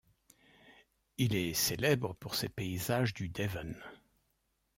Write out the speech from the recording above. Il est célèbre pour ses paysages du Devon.